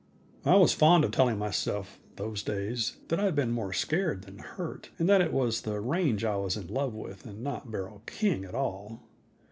I was fond of telling myself, those days, that I'd been more scared than hurt, and that it was the range I was in love with, and not Beryl King at all.